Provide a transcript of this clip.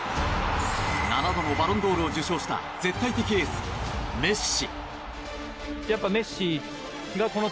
７度のバロンドールを受賞した絶対的エース、メッシ。